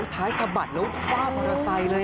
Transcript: ท้ายสะบัดแล้วฟาดมอเตอร์ไซค์เลย